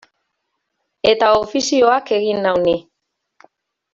Eta ofizioak egin nau ni.